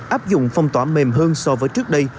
áp dụng phong tỏa mềm hơn so với trước đây